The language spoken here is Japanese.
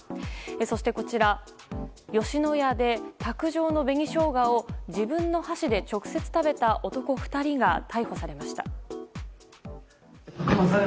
そしてこちら吉野家で卓上の紅ショウガを自分の箸で直接食べた男２人が逮捕されました。